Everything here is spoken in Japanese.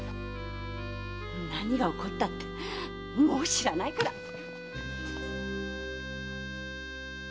何が起こったってもう知らないから！